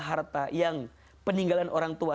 harta yang peninggalan orang tua